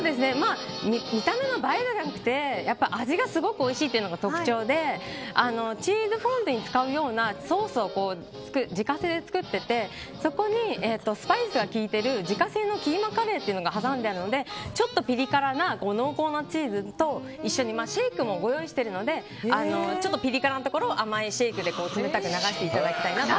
見た目の映えだけじゃなくて味がすごくおいしいのが特徴でチーズフォンデュに使うようなソースを自家製で作っててそこにスパイスが効いている自家製のキーマカレーが挟んであるのでちょっとピリ辛な濃厚なチーズと、一緒にシェイクもご用意しているのでピリ辛なところを甘いシェイクで冷たく流していただきたいなと。